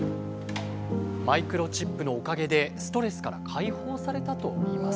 マイクロチップのおかげでストレスから解放されたといいます。